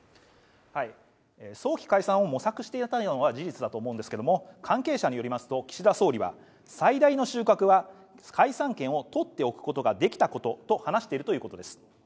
早期解散を模索していたのは事実だと思うんですけども、関係者によりますと、岸田総理は最大の収穫は、解散権を取っておくことができたことと話しているということです。